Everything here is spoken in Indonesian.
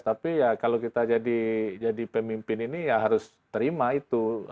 tapi ya kalau kita jadi pemimpin ini ya harus terima itu